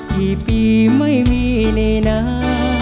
กี่ปีไม่มีในนา